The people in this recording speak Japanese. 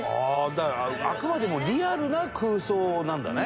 だからあくまでもリアルな空想なんだね。